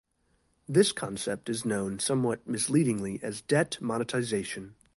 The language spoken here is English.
This concept is known somewhat misleadingly as debt monetization.